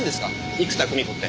生田くみ子って。